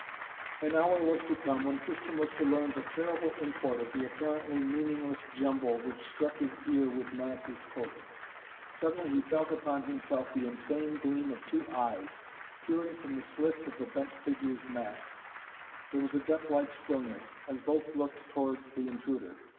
An hour was to come when Tristan was to learn the terrible import of the apparently meaningless jumble which struck his ear with mad discordance. Suddenly he felt upon himself the insane gleam of two eyes, peering from the slits of the bent figure's mask. There was a death like stillness, as both looked towards the intruder.